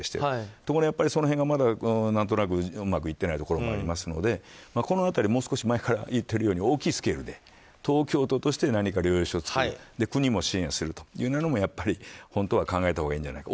ところが、その辺がまだ何となくうまくいっていないところもありますのでこの辺りも少し前から言っているようにもう少し大きなスケールで東京都として療養所を作る国も支援するというのも考えたほうがいいんじゃないかと。